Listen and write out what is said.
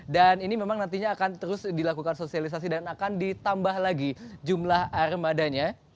dan ini memang nantinya akan terus dilakukan sosialisasi dan akan ditambah lagi jumlah armadanya